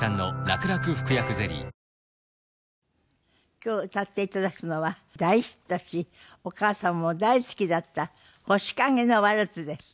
今日歌っていただくのは大ヒットしお母様も大好きだった『星影のワルツ』です。